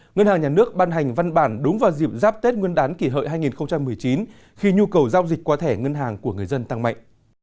ngân hàng nhà nước ban hành văn bản đúng vào dịp giáp tết nguyên đán kỷ hợi hai nghìn một mươi chín khi nhu cầu giao dịch qua thẻ ngân hàng của người dân tăng mạnh